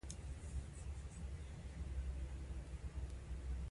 ته د خپل صداقت، زحمت او